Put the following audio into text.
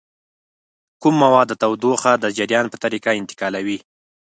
کوم مواد تودوخه د جریان په طریقه انتقالوي؟